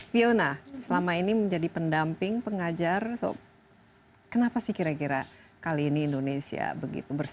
fiona selama ini menjadi pendamping pengajar kenapa sih kira kira kali ini indonesia begitu bersih